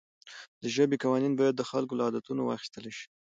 د ژبې قوانین باید د خلکو له عادتونو واخیستل شي.